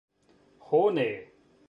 Ho ne!